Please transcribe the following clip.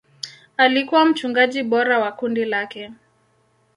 Alikuwa mchungaji bora wa kundi lake.